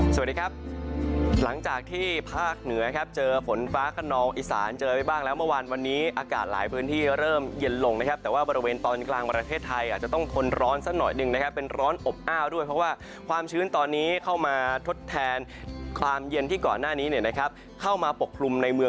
สวัสดีครับหลังจากที่ภาคเหนือครับเจอฝนฟ้าขนองอีสานเจอไปบ้างแล้วเมื่อวานวันนี้อากาศหลายพื้นที่เริ่มเย็นลงนะครับแต่ว่าบริเวณตอนกลางประเทศไทยอาจจะต้องทนร้อนสักหน่อยหนึ่งนะครับเป็นร้อนอบอ้าวด้วยเพราะว่าความชื้นตอนนี้เข้ามาทดแทนความเย็นที่ก่อนหน้านี้เนี่ยนะครับเข้ามาปกคลุมในเมือง